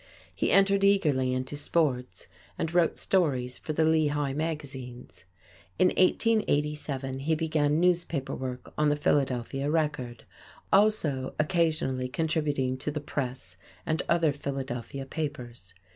He entered eagerly into sports and wrote stories for the Lehigh magazines. In 1887 he began newspaper work on the Philadelphia Record, also occasionally contributing to the Press and other Philadelphia papers.